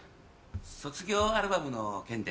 卒業アルバムの件で。